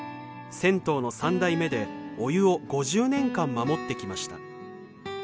銭湯の３代目でお湯を５０年間守ってきました。